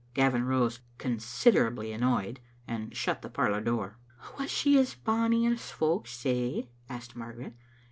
Gavin rose, considerably annoyed, and shut the par lour door. "Was she as bonny as folks say?" asked Mar garet.